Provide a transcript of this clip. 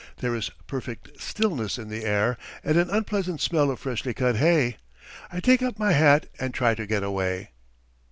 There is perfect stillness in the air, and an unpleasant smell of freshly cut hay. I take up my hat and try to get away.